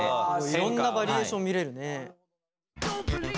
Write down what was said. いろんなバリエーション見れるね。